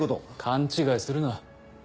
勘違いするな。